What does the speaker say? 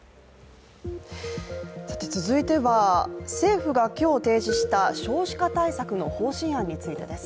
続いては、政府が今日提示した少子化対策の方針案についてです。